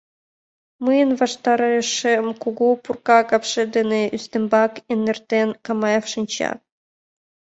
Мыйын ваштарешем, кугу, пурка капше дене ӱстембак эҥертен, Камаев шинча.